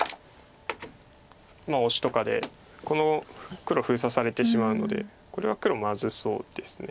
まあオシとかでこの黒封鎖されてしまうのでこれは黒まずそうです。